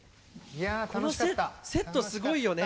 このセットすごいよね。